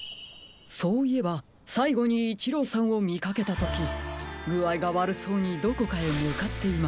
そういえばさいごにイチローさんをみかけたときぐあいがわるそうにどこかへむかっていました。